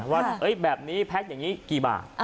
ว่าแบบนี้แพ็คอย่างนี้กี่บาท